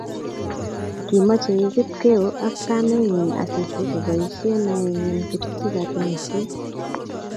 Kimochei Kipokeo ak kamenyi Asisi koboisie naenyi kochutyi katunisiet